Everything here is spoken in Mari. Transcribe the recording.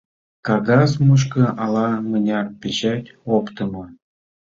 Кагаз мучко ала-мыняр печать оптымо.